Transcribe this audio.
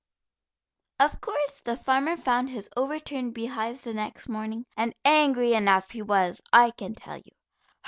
Of course the farmer found his overturned beehives, the next morning, and angry enough he was, I can tell you.